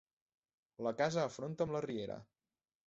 La casa afronta amb la riera.